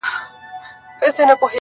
د ګودرونو مازیګر به وو له پېغلو ښکلی!